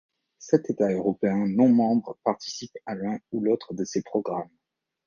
Sept États européens non membres participent à l'un ou l'autre de ces programmes.